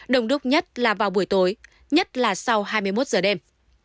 đồng đúc nhất là vào buổi tối nhất là sau hai mươi một giờ đêm